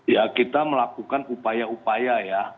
ya kita melakukan upaya upaya ya